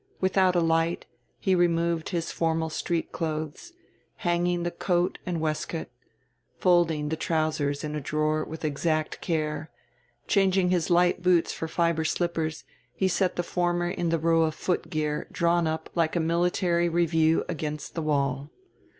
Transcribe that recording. Without a light he removed his formal street clothes, hanging the coat and waistcoat, folding the trousers in a drawer, with exact care; changing his light boots for fiber slippers he set the former in the row of footgear drawn up like a military review against the wall.